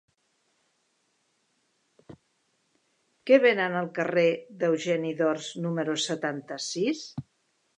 Què venen al carrer d'Eugeni d'Ors número setanta-sis?